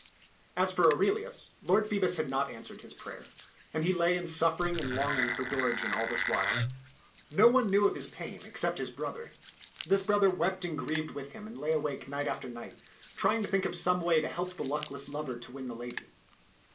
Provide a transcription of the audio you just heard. As for Aurelius, Lord Phoebus had not answered his prayer, and he lay in suffering and longing for Dorigen all this while. No one knew of his pain except his bro ther. This brother wept and grieved with him, and lay awake night after night, trying to think of some way to help the luckless lover to win the lady.